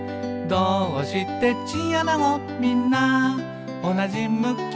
「どーうしてチンアナゴみんなおなじ向き？」